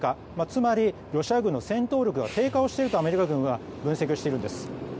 つまりロシア軍の戦闘力が低下しているとアメリカ軍は分析しているんです。